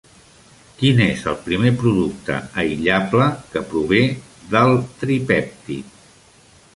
Quin és el primer producte aïllable que prové del tripèptid?